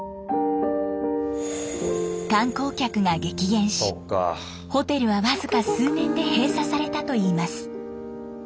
観光客が激減しホテルは僅か数年で閉鎖されたといいます。